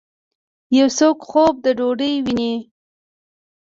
یو څوک خوب د ډوډۍ وویني